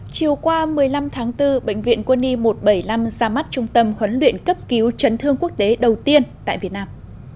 chiều qua một mươi năm tháng bốn bệnh viện quân y một trăm bảy mươi năm ra mắt trung tâm huấn luyện cấp cứu trấn thương quốc tế đầu tiên tại việt nam